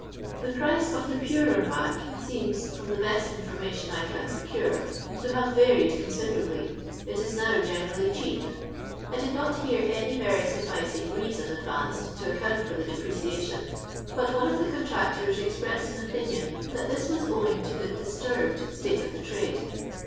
The price of the purer " mac " seems, from the best information I can procure, to have varied con siderably. It is now generally cheap. I did not hear any very sufficing reason advanced to account for the depreciation, but one of the contractors ex pressed an opinion that this was owing to the " disturbed" state of the trade.